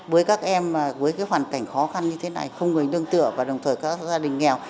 với các em với cái hoàn cảnh khó khăn như thế này không người nương tựa và đồng thời các gia đình nghèo